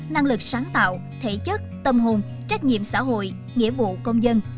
năng lực sáng tạo thể chất tâm hồn trách nhiệm xã hội nghĩa vụ công dân